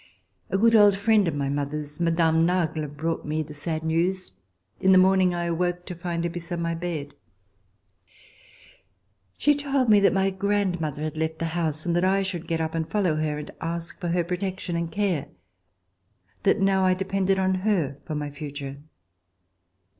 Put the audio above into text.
A good old friend of my mother's, Mme. Nagle, brought me the sad news. In the morning I awoke to find her beside my bed. She told me that my grand mother had left the house, and that I should get up and follow her, and ask for her protection and care; that now I depended on her for my future.